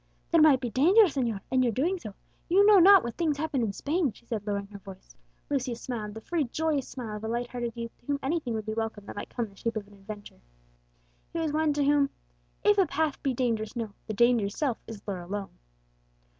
"There might be danger, señor, in your doing so; you know not what things happen in Spain," she said, lowering her voice. Lucius smiled, the free joyous smile of a light hearted youth to whom anything would be welcome that might come in the shape of adventure. He was one to whom "If a path be dangerous known, The danger's self is lure alone."